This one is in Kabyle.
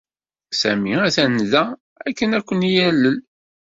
Sami atan da akken ad ken-yalel.